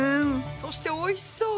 そしておいしそう。